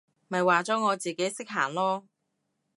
咪話咗我自己識行囉！